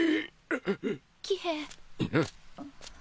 喜兵衛。